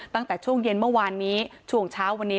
ตั้งแต่ช่วงเย็นเมื่อวานนี้ช่วงเช้าวันนี้